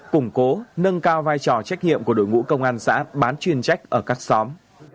củng cố nâng cao vai trò trách nhiệm của đội ngũ công an xã bán chuyên trách ở các xóm